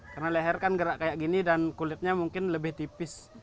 karena leher kan gerak kayak gini dan kulitnya mungkin lebih tipis